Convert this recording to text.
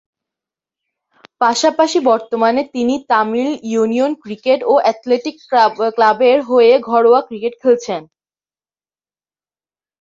পাশাপাশি বর্তমানে তিনি তামিল ইউনিয়ন ক্রিকেট ও অ্যাথলেটিক ক্লাবের হয়ে ঘরোয়া ক্রিকেটে খেলছেন।